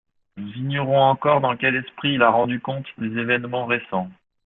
Nous ignorons encore dans quel esprit il a rendu compte des événements récents.